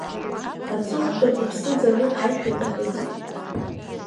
Аҵыхәтәан иԥсы ӡаны аишәа дахыҵит.